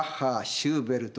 シューベルト。